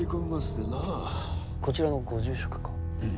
こちらのご住職か？